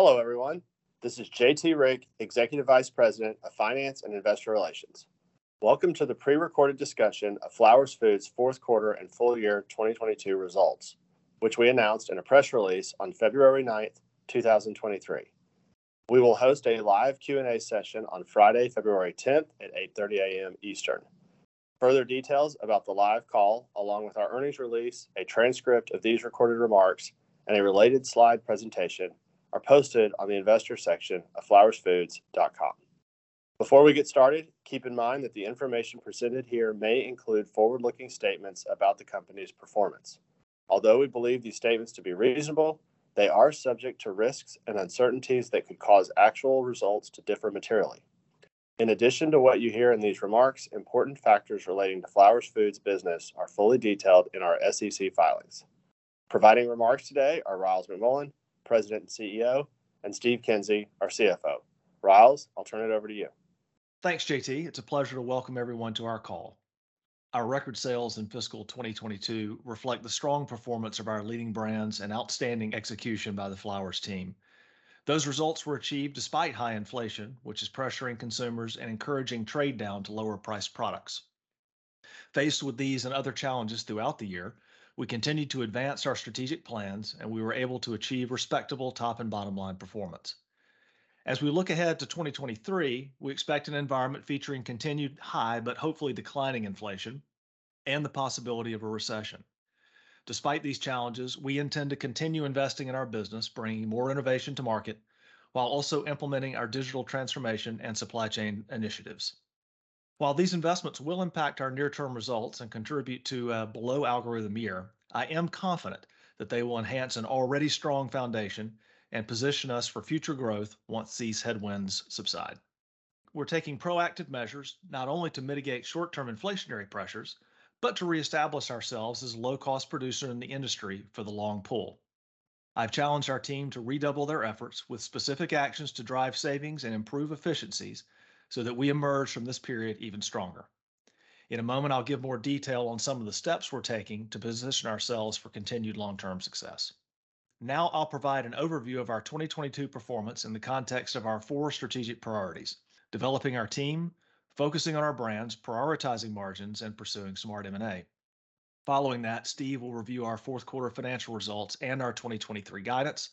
Hello everyone. This is JT Rieck, Executive Vice President of Finance and Investor Relations. Welcome to the pre-recorded discussion of Flowers Foods fourth quarter and full year 2022 results, which we announced in a press release on February 9th, 2023. We will host a live Q&A session on Friday, February 10th at 8:30 A.M. Eastern. Further details about the live call, along with our earnings release a transcript of these recorded remarks, and a related slide presentation are posted on the investor section of flowersfoods.com. Before we get started, keep in mind that the information presented here may include forward-looking statements about the company's performance. Although we believe these statements to be reasonable, they are subject to risks and uncertainties that could cause actual results to differ materially. In addition to what you hear in these remarks, important factors relating to Flowers Foods business are fully detailed in our SEC filings. Providing remarks today are Ryals McMullian, President and CEO, and Steve Kinsey, our CFO. Ryals, I'll turn it over to you. Thanks, JT. It's a pleasure to welcome everyone to our call. Our record sales in fiscal 2022 reflect the strong performance of our leading brands and outstanding execution by the Flowers team. Those results were achieved despite high inflation, which is pressuring consumers and encouraging trade down to lower priced products. Faced with these and other challenges throughout the year we continued to advance our strategic plans, and we were able to achieve respectable top and bottom line performance. As we look ahead to 2023, we expect an environment featuring continued high but hopefully declining inflation and the possibility of a recession. Despite these challenges, we intend to continue investing in our business bringing more innovation to market, while also implementing our digital transformation and supply chain initiatives. While these investments will impact our near-term results and contribute to a below algorithm year, I am confident that they will enhance an already strong foundation and position us for future growth once these headwinds subside. We're taking proactive measures not only to mitigate short-term inflationary pressures but to reestablish ourselves as a low-cost producer in the industry for the long pull. I've challenged our team to redouble their efforts with specific actions to drive savings and improve efficiencies so that we emerge from this period even stronger. In a moment, I'll give more detail on some of the steps we're taking to position ourselves for continued long-term success. I'll provide an overview of our 2022 performance in the context of our four strategic priorities, developing our team, focusing on our brands, prioritizing margins and pursuing smart M&A. Following that, Steve will review our fourth quarter financial results and our 2023 guidance,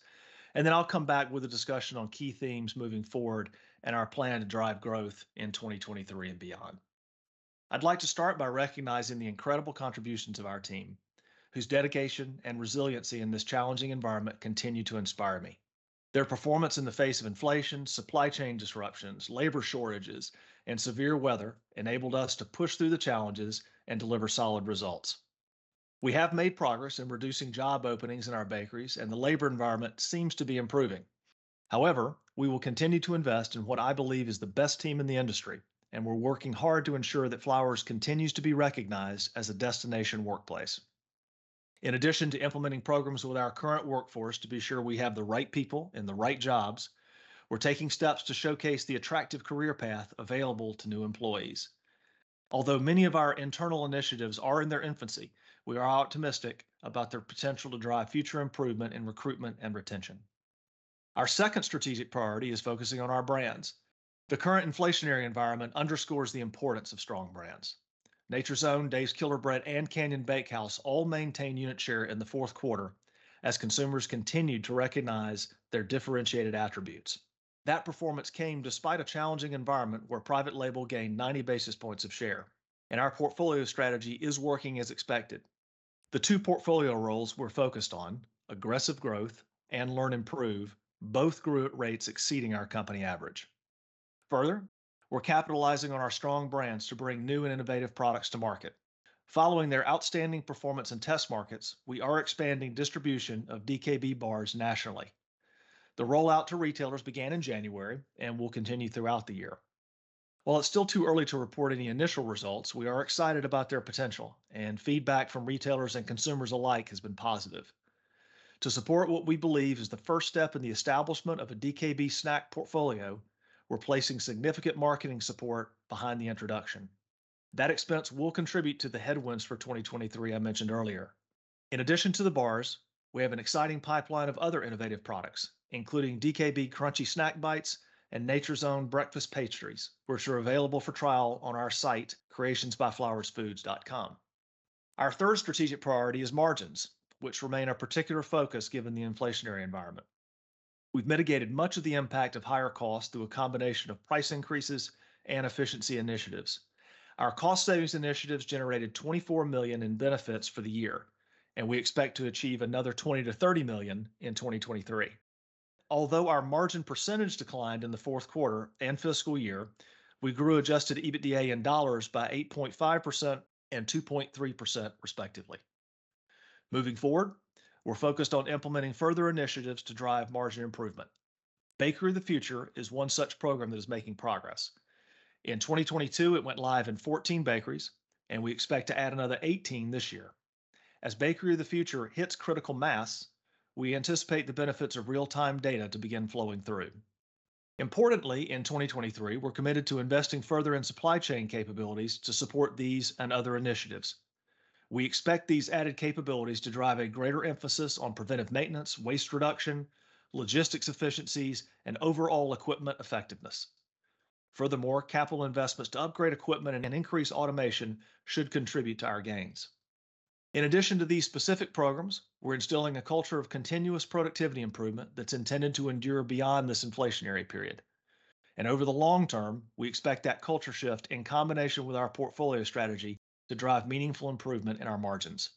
and then I'll come back with a discussion on key themes moving forward and our plan to drive growth in 2023 and beyond. I'd like to start by recognizing the incredible contributions of our team, whose dedication and resiliency in this challenging environment continue to inspire me. Their performance in the face of inflation, supply chain disruptions, labor shortages and severe weather enabled us to push through the challenges and deliver solid results. We have made progress in reducing job openings in our bakeries and the labor environment seems to be improving. However, we will continue to invest in what I believe is the best team in the industry and we're working hard to ensure that Flowers continues to be recognized as a destination workplace. In addition, to implementing programs with our current workforce to be sure we have the right people in the right jobs, we're taking steps to showcase the attractive career path available to new employees. Although many of our internal initiatives are in their infancy, we are optimistic about their potential to drive future improvement in recruitment and retention. Our second strategic priority is focusing on our brands. The current inflationary environment underscores the importance of strong brands. Nature's Own, Dave's Killer Bread and Canyon Bakehouse all maintain unit share in the fourth quarter as consumers continued to recognize their differentiated attributes. That performance came despite a challenging environment where private label gained 90 basis points of share and our portfolio strategy is working as expected. The two portfolio roles we're focused on, aggressive growth and learn improve, both grew at rates exceeding our company average. We're capitalizing on our strong brands to bring new and innovative products to market. Following their outstanding performance in test markets, we are expanding distribution of DKB bars nationally. The rollout to retailers began in January and will continue throughout the year. While it's still too early to report any initial results, we are excited about their potential, and feedback from retailers and consumers alike has been positive. To support what we believe is the first step in the establishment of a DKB snack portfolio, we're placing significant marketing support behind the introduction. That expense will contribute to the headwinds for 2023 I mentioned earlier. In addition to the bars, we have an exciting pipeline of other innovative products, including DKB Crunchy Snack Bites and Nature's Own Breakfast pastries, which are available for trial on our site, creationsbyflowersfoods.com. Our third strategic priority is margins, which remain our particular focus given the inflationary environment. We've mitigated much of the impact of higher costs through a combination of price increases and efficiency initiatives. Our cost savings initiatives generated $24 million in benefits for the year and we expect to achieve another $20 million-$30 million in 2023. Although our margin percentage declined in the fourth quarter and fiscal year, we grew adjusted EBITDA in dollars by 8.5% and 2.3% respectively. Moving forward, we're focused on implementing further initiatives to drive margin improvement. Bakery of the Future is one such program that is making progress. In 2022, it went live in 14 bakeries and we expect to add another 18 this year. As Bakery of the Future hits critical mass, we anticipate the benefits of real-time data to begin flowing through. Importantly, in 2023, we're committed to investing further in supply chain capabilities to support these and other initiatives. We expect these added capabilities to drive a greater emphasis on preventive maintenance, waste reduction, logistics efficiencies and overall equipment effectiveness. Capital investments to upgrade equipment and increase automation should contribute to our gains. In addition to these specific programs, we're instilling a culture of continuous productivity improvement that's intended to endure beyond this inflationary period. Over the long term, we expect that culture shift in combination with our portfolio strategy to drive meaningful improvement in our margins.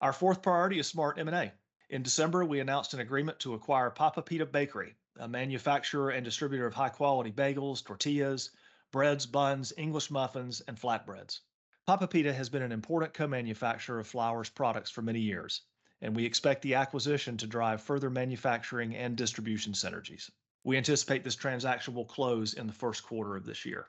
Our fourth priority is smart M&A. In December, we announced an agreement to acquire Papa Pita Bakery, a manufacturer and distributor of high-quality bagels, tortillas, breads, buns, English muffins and flatbreads. Papa Pita has been an important co-manufacturer of Flowers products for many years and we expect the acquisition to drive further manufacturing and distribution synergies. We anticipate this transaction will close in the first quarter of this year.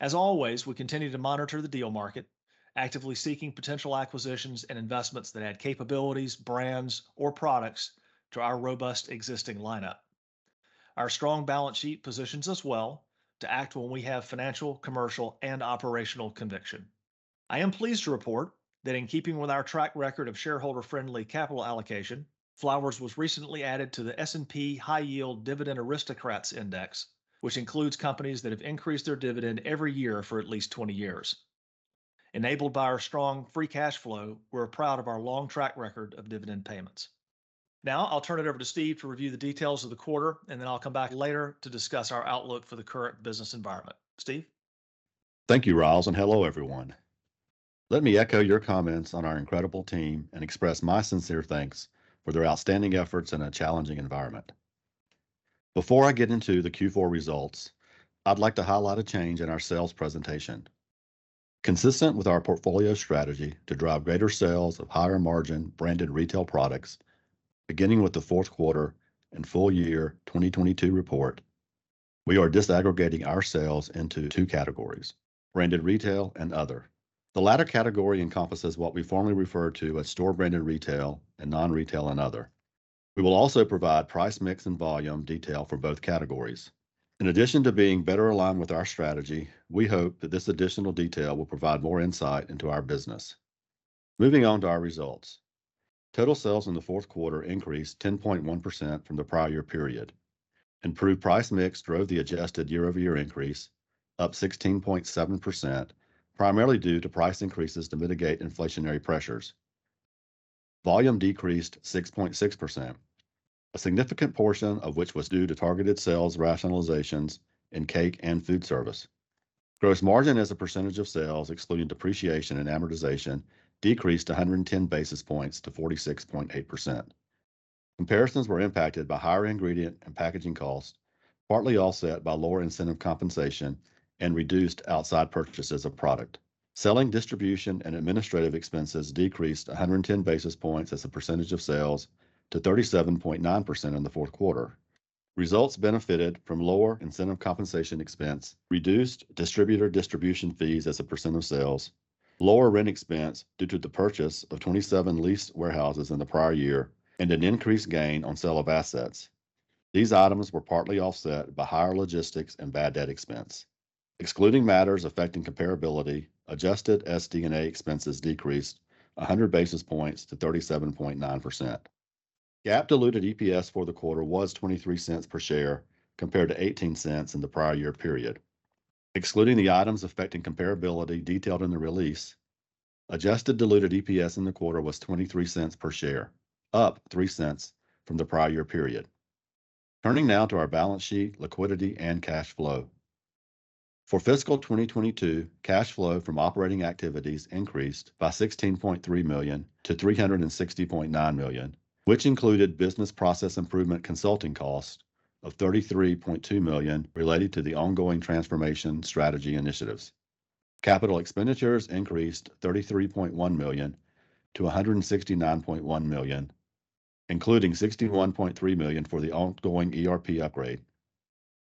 As always, we continue to monitor the deal market, actively seeking potential acquisitions and investments that add capabilities, brands, or products to our robust existing lineup. Our strong balance sheet positions us well to act when we have financial, commercial and operational conviction. I am pleased to report that in keeping with our track record of shareholder-friendly capital allocation, Flowers was recently added to the S&P High Yield Dividend Aristocrats Index, which includes companies that have increased their dividend every year for at least 20 years. Enabled by our strong free cash flow, we're proud of our long track record of dividend payments. Now I'll turn it over to Steve to review the details of the quarter and then I'll come back later to discuss our outlook for the current business environment. Steve? Thank you, Ryals. Hello, everyone. Let me echo your comments on our incredible team and express my sincere thanks for their outstanding efforts in a challenging environment. Before I get into the Q4 results, I'd like to highlight a change in our sales presentation. Consistent with our portfolio strategy to drive greater sales of higher-margin branded retail products, beginning with the fourth quarter and full year 2022 report, we are disaggregating our sales into two categories: branded retail and other. The latter category encompasses what we formerly refer to as store-branded retail and non-retail and other. We will also provide price mix and volume detail for both categories. In addition to being better aligned with our strategy, we hope that this additional detail will provide more insight into our business. Moving on to our results. Total sales in the fourth quarter increased 10.1% from the prior year period. Improved price mix drove the adjusted year-over-year increase, up 16.7%, primarily due to price increases to mitigate inflationary pressures. Volume decreased 6.6%, a significant portion of which was due to targeted sales rationalizations in cake and food service. Gross margin as a percentage of sales, excluding depreciation and amortization, decreased 110 basis points to 46.8%. Comparisons were impacted by higher ingredient and packaging costs, partly offset by lower incentive compensation and reduced outside purchases of product. Selling, distribution, and administrative expenses decreased 110 basis points as a percentage of sales to 37.9% in the fourth quarter. Results benefited from lower incentive compensation expense, reduced distributor distribution fees as a percent of sales, lower rent expense due to the purchase of 27 leased warehouses in the prior year, and an increased gain on sale of assets. These items were partly offset by higher logistics and bad debt expense. Excluding matters affecting comparability, adjusted SD&A expenses decreased 100 basis points to 37.9%. GAAP diluted EPS for the quarter was $0.23 per share, compared to $0.18 in the prior year period. Excluding the items affecting comparability detailed in the release, adjusted diluted EPS in the quarter was $0.23 per share, up $0.03 from the prior year period. Turning now to our balance sheet, liquidity and cash flow. For fiscal 2022, cash flow from operating activities increased by $16.3 million to $360.9 million, which included business process improvement consulting cost of $33.2 million related to the ongoing transformation strategy initiatives. Capital expenditures increased $33.1 million to $169.1 million, including $61.3 million for the ongoing ERP upgrade.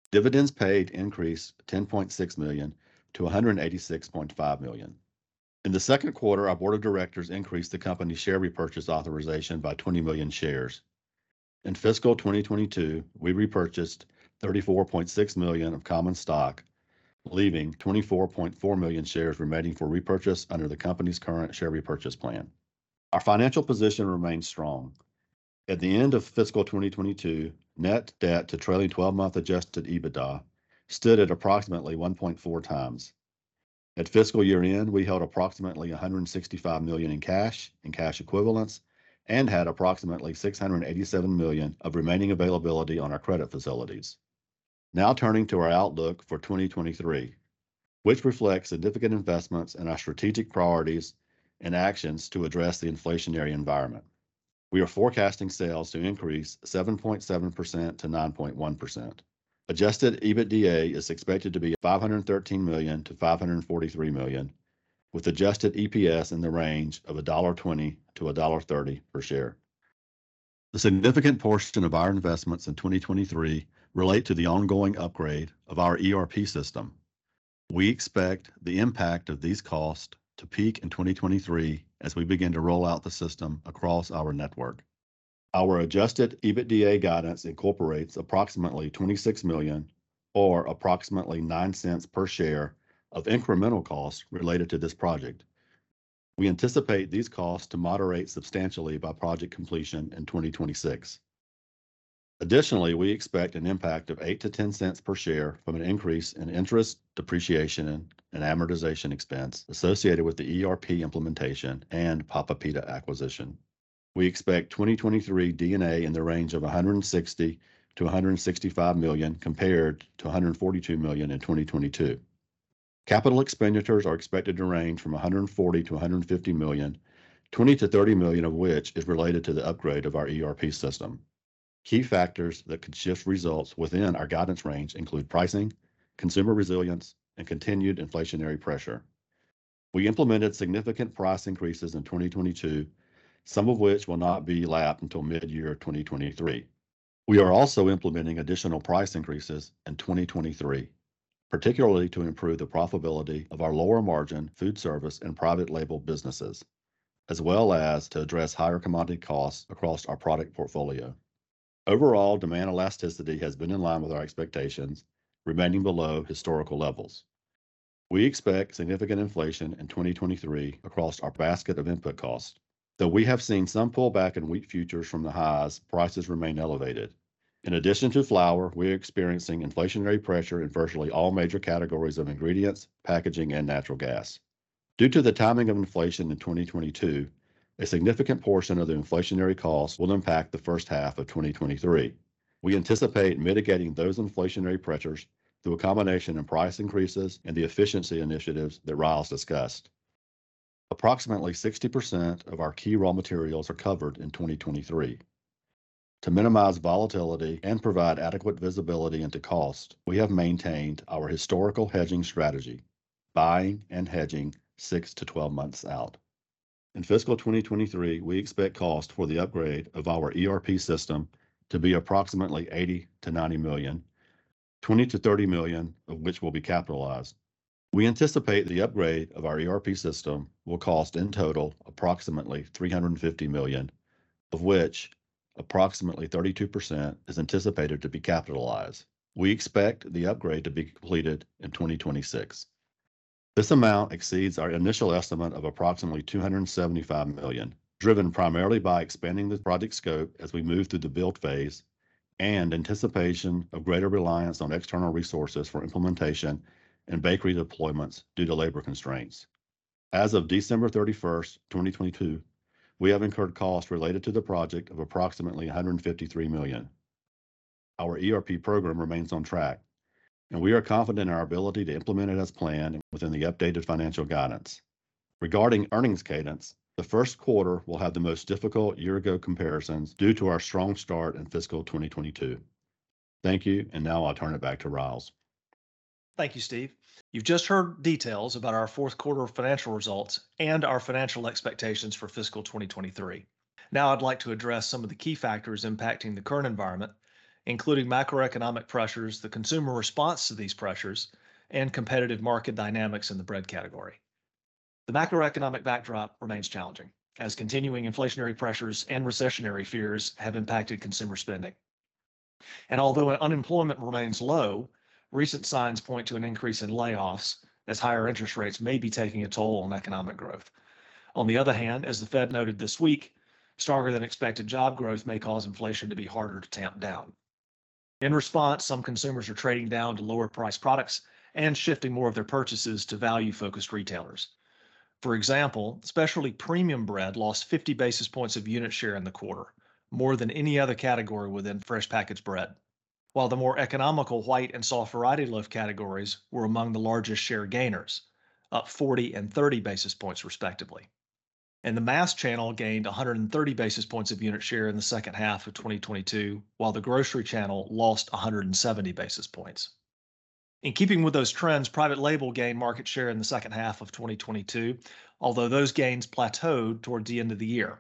Dividends paid increased $10.6 million to $186.5 million. In the second quarter, our board of directors increased the company's share repurchase authorization by 20 million shares. In fiscal 2022, we repurchased $34.6 million of common stock, leaving 24.4 million shares remaining for repurchase under the company's current share repurchase plan. Our financial position remains strong. At the end of fiscal 2022, net debt to trailing twelve-month adjusted EBITDA stood at approximately 1.4x. At fiscal year-end, we held approximately $165 million in cash and cash equivalents and had approximately $687 million of remaining availability on our credit facilities. Turning to our outlook for 2023, which reflects significant investments in our strategic priorities and actions to address the inflationary environment. We are forecasting sales to increase 7.7%-9.1%. Adjusted EBITDA is expected to be $513 million-$543 million, with adjusted EPS in the range of $1.20-$1.30 per share. A significant portion of our investments in 2023 relate to the ongoing upgrade of our ERP system. We expect the impact of these costs to peak in 2023 as we begin to roll out the system across our network. Our adjusted EBITDA guidance incorporates approximately $26 million or approximately $0.09 per share of incremental costs related to this project. We anticipate these costs to moderate substantially by project completion in 2026. Additionally, we expect an impact of $0.08-$0.10 per share from an increase in interest, depreciation and amortization expense associated with the ERP implementation and Papa Pita acquisition. We expect 2023 D&A in the range of $160 million-$165 million compared to $142 million in 2022. Capital expenditures are expected to range from $140 million-$150 million, $20 million-$30 million of which is related to the upgrade of our ERP system. Key factors that could shift results within our guidance range include pricing, consumer resilience, and continued inflationary pressure. We implemented significant price increases in 2022, some of which will not be lapped until midyear 2023. We are also implementing additional price increases in 2023 particularly to improve the profitability of our lower margin food service and private label businesses, as well as to address higher commodity costs across our product portfolio. Overall, demand elasticity has been in line with our expectations, remaining below historical levels. We expect significant inflation in 2023 across our basket of input costs. Though we have seen some pullback in wheat futures from the highs, prices remain elevated. In addition to flour, we're experiencing inflationary pressure in virtually all major categories of ingredients, packaging, and natural gas. Due to the timing of inflation in 2022, a significant portion of the inflationary costs will impact the first half of 2023. We anticipate mitigating those inflationary pressures through a combination of price increases and the efficiency initiatives that Ryals discussed. Approximately 60% of our key raw materials are covered in 2023. To minimize volatility and provide adequate visibility into cost, we have maintained our historical hedging strategy, buying and hedging six-12 months out. In fiscal 2023, we expect cost for the upgrade of our ERP system to be approximately $80 million-$90 million, $20 million-$30 million of which will be capitalized. We anticipate the upgrade of our ERP system will cost in total approximately $350 million, of which approximately 32% is anticipated to be capitalized. We expect the upgrade to be completed in 2026. This amount exceeds our initial estimate of approximately $275 million, driven primarily by expanding the project scope as we move through the build phase and anticipation of greater reliance on external resources for implementation and bakery deployments due to labor constraints. As of December 31st, 2022, we have incurred costs related to the project of approximately $153 million. Our ERP program remains on track and we are confident in our ability to implement it as planned and within the updated financial guidance. Regarding earnings cadence, the first quarter will have the most difficult year ago comparisons due to our strong start in fiscal 2022. Thank you, now I'll turn it back to Ryals. Thank you, Steve. You've just heard details about our fourth quarter financial results and our financial expectations for fiscal 2023. Now I'd like to address some of the key factors impacting the current environment, including macroeconomic pressures, the consumer response to these pressures and competitive market dynamics in the bread category. The macroeconomic backdrop remains challenging as continuing inflationary pressures and recessionary fears have impacted consumer spending. Although unemployment remains low, recent signs point to an increase in layoffs as higher interest rates may be taking a toll on economic growth. On the other hand, as the Fed noted this week, stronger than expected job growth may cause inflation to be harder to tamp down. In response, some consumers are trading down to lower priced products and shifting more of their purchases to value-focused retailers. For example, specialty premium bread lost 50 basis points of unit share in the quarter, more than any other category within fresh packaged bread. While the more economical white and soft variety loaf categories were among the largest share gainers, up 40 and 30 basis points respectively. The mass channel gained 130 basis points of unit share in the second half of 2022, while the grocery channel lost 170 basis points. In keeping with those trends, private label gained market share in the second half of 2022, although those gains plateaued towards the end of the year.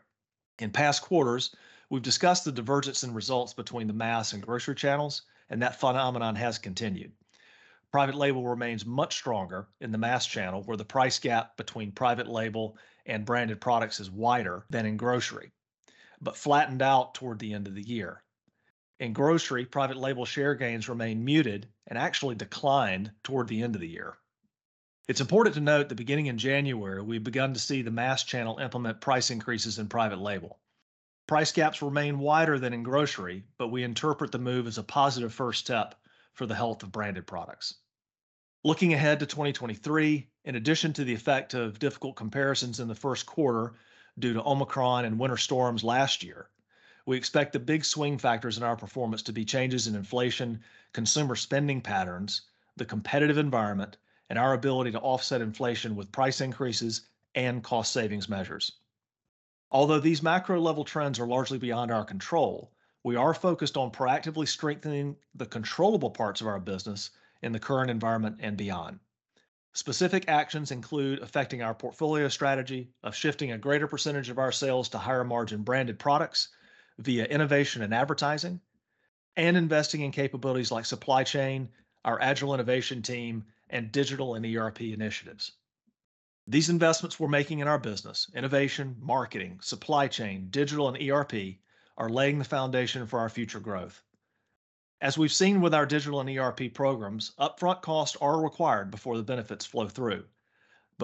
In past quarters, we've discussed the divergence in results between the mass and grocery channels, and that phenomenon has continued. Private label remains much stronger in the mass channel, where the price gap between private label and branded products is wider than in grocery, but flattened out toward the end of the year. In grocery, private label share gains remain muted and actually declined toward the end of the year. It's important to note that beginning in January, we've begun to see the mass channel implement price increases in private label. Price gaps remain wider than in grocery, but we interpret the move as a positive first step for the health of branded products. Looking ahead to 2023, in addition to the effect of difficult comparisons in the first quarter due to Omicron and winter storms last year, we expect the big swing factors in our performance to be changes in inflation, consumer spending patterns, the competitive environment, and our ability to offset inflation with price increases and cost savings measures. Although these macro level trends are largely beyond our control, we are focused on proactively strengthening the controllable parts of our business in the current environment and beyond. Specific actions include affecting our portfolio strategy of shifting a greater percentage of our sales to higher margin branded products via innovation and advertising, and investing in capabilities like supply chain, our agile innovation team, and digital and ERP initiatives. These investments we're making in our business, innovation, marketing, supply chain, digital and ERP, are laying the foundation for our future growth. As we've seen with our digital and ERP programs, upfront costs are required before the benefits flow through.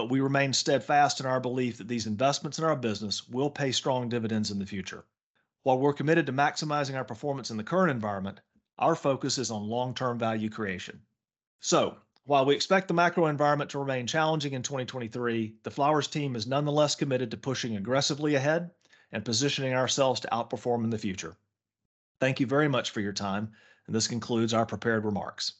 We remain steadfast in our belief that these investments in our business will pay strong dividends in the future. While we're committed to maximizing our performance in the current environment, our focus is on long-term value creation. While we expect the macro environment to remain challenging in 2023, the Flowers team is nonetheless committed to pushing aggressively ahead and positioning ourselves to outperform in the future. Thank you very much for your time. This concludes our prepared remarks.